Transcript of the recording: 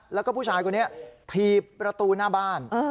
แล้วก็ผู้ชายคนนี้ถีบประตูหน้าบ้าน